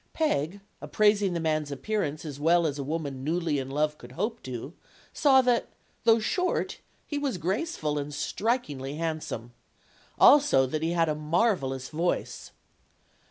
Peg, appraising the man's appearance as well as a woman newly in love could hope to, saw that, though short, he was graceful and strikingly handsome. Also, that he had a marvelous voice.